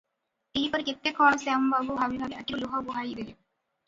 ଏହିପରି କେତେ କଣ ଶ୍ୟାମବାବୁ ଭାବି ଭାବି ଆଖିରୁ ଲୁହ ବୁହାଇ ଦେଲେ ।